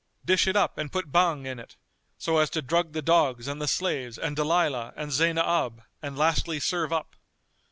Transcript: Dish it up and put Bhang in it, so as to drug the dogs and the slaves and Dalilah and Zaynab and lastly serve up.